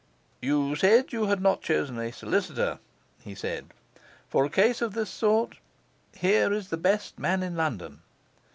'You said you had not chosen a solicitor,' he said. 'For a case of this sort, here is the best man in London.